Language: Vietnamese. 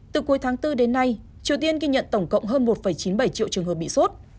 từ cuối tháng bốn đến nay triều tiên ghi nhận tổng cộng hơn một chín mươi bảy triệu trường hợp bị sốt